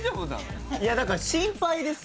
いやだから心配ですよ。